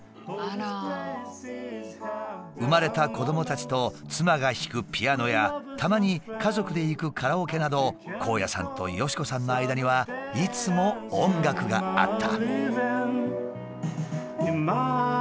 生まれた子どもたちと妻が弾くピアノやたまに家族で行くカラオケなど公也さんと敏子さんの間にはいつも音楽があった。